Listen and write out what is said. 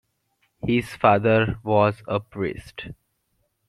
His father was a priest.